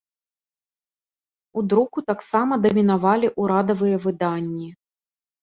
У друку таксама дамінавалі ўрадавыя выданні.